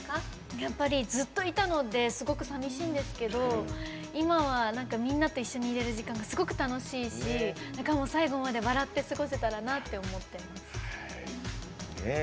やっぱり、ずっといたのですごくさみしいんですけど今はみんなと一緒に入れる時間がすごく楽しいし最後まで笑って過ごせたらなって思ってます。